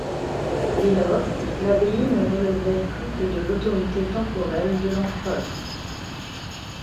Dès lors, l'abbaye ne relevait plus que de l'autorité temporelle de l'Empereur.